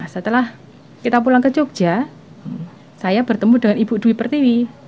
setelah kita pulang ke jogja saya bertemu dengan ibu dwi pertiwi